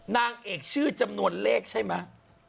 นางเอกชื่อจำนวนเลขใช่ไหม